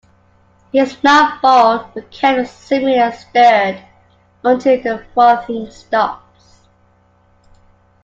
It is not boiled but kept simmering and stirred until the frothing stops.